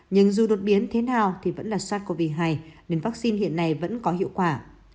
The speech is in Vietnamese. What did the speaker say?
nhưng dù đột biến thế nào thì vẫn là sars cov hai nên vaccine hiện nay vẫn có hiệu quả